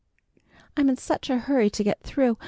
I'm in such a hurry to get through.